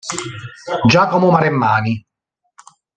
Giacomo Maremmani